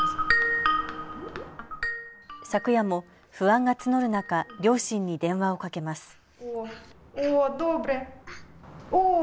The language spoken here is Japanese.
昨夜も不安が募る中、両親に電話をかけます。